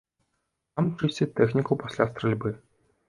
Там чысцяць тэхніку пасля стральбы.